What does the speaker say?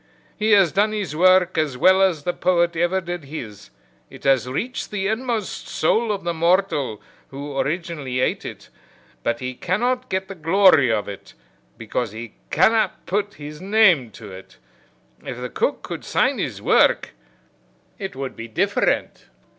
He has done his work as well as the poet ever did his, it has reached the inmost soul of the mortal who originally ate it, but he cannot get the glory of it because he cannot put his name to it. If the cook could sign his work it would be different."